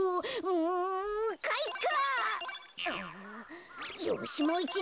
うんかいか！